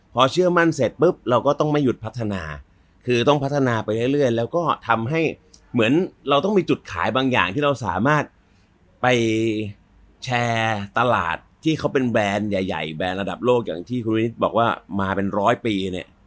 พอเชื่อมั่นเสร็จปุ๊บเราก็ต้องไม่หยุดพัฒนาคือต้องพัฒนาไปเรื่อยแล้วก็ทำให้เหมือนเราต้องมีจุดขายบางอย่างที่เราสามารถไปแชร์ตลาดที่เขาเป็นแบรนด์ใหญ่แบรนด์ระดับโลกอย่างที่คุณวินิตบอกว่ามาเป็นร้อยปีเนี่ย